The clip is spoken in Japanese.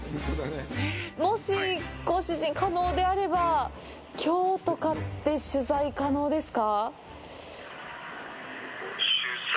もし、ご主人、可能であればきょうとかって取材可能ですか？